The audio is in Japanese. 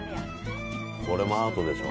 これもアートでしょ。